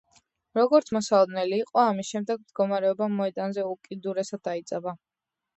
როგორც მოსალოდნელი იყო, ამის შემდეგ მდგომარეობა მოედანზე უკიდურესად დაიძაბა.